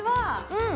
うん。